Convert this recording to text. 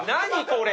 これ。